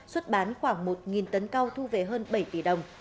xuất bán khoảng một tấn cao thu về hơn bảy tỷ đồng